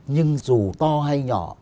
nhưng dù to hay nhỏ